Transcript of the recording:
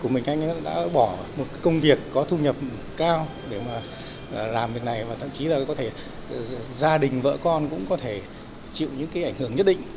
mình anh đã bỏ một cái công việc có thu nhập cao để mà làm việc này và thậm chí là có thể gia đình vợ con cũng có thể chịu những cái ảnh hưởng nhất định